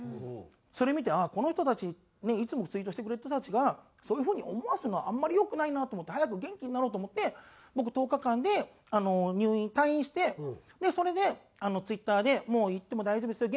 それ見てああこの人たちいつもツイートしてくれてた人たちがそういう風に思わすのはあんまり良くないなと思って早く元気になろうと思って僕１０日間で退院してそれでツイッターで「もう言っても大丈夫ですよ」